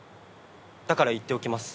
だから言っておきます。